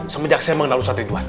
semenjak saya mengenal lusa ridwan